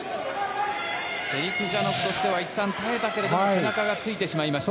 セリクジャノフとしてはいったん耐えたけど背中がついてしまいました。